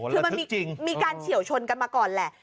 คือมันมีการเฉียวชนกันมาก่อนแหละ